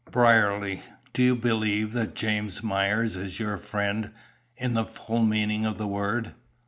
"Brierly, do you believe that James Myers is your friend, in the full meaning of the word?"